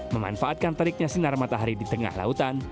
memanfaatkan teriknya sinar matahari di tengah lautan